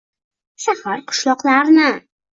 Shahar qishloqlarni